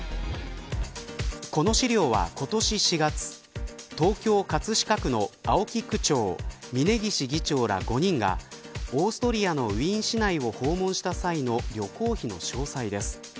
この資料は、今年４月東京・葛飾区の青木区長峯岸議長ら５人がオーストリアのウィーン市内を訪問した際の旅行費の詳細です。